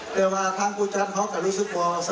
ทั้งขนาดผู้จัดก็เลยว่า